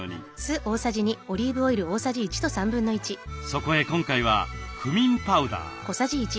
そこへ今回はクミンパウダー。